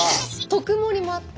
特盛りもあって。